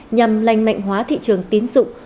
nhằm lành mạnh hóa thị trường tín dụng